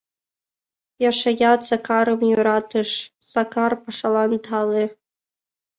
Яшаят Сакарым йӧратыш: Сакар пашалан тале.